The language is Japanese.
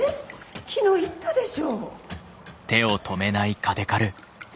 昨日言ったでしょ？